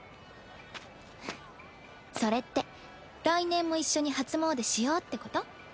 それって来年も一緒に初詣でしようってこと？